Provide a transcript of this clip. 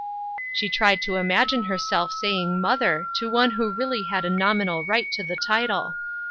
She tried to imagine herself saying "mother" to one who really had a nominal right to the title.